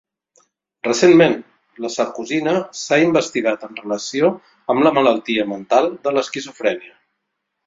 Recentment, la sarcosina s'ha investigat en relació amb la malaltia mental de l'esquizofrènia